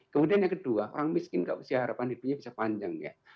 kemudian yang kedua orang miskin kok usia harapan hidupnya bisa panjang